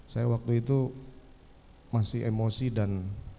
saya waktu itu masih emosi dan